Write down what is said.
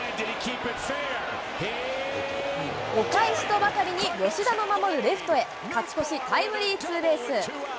お返しとばかりに、吉田の守るレフトへ、勝ち越しタイムリーツーベース。